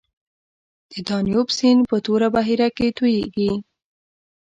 د دانوب سیند په توره بحیره کې تویږي.